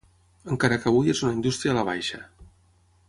Encara que avui és una indústria a la baixa.